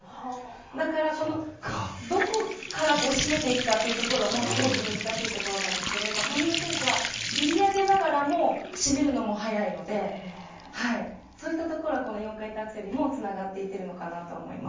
だから、どこから締めていくかというところもすごく難しいところですが羽生選手は、振り上げながらも締めるのも早いのでそういったところが４回転アクセルにもつながっていっているのかと思います。